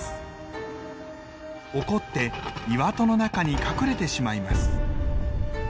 怒って岩戸の中に隠れてしまいます。